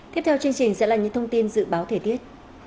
tiếp theo chương trình sẽ là những thông tin dự báo thời tiết